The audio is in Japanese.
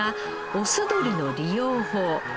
オス鶏の利用法。